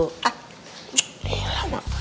oke lah mak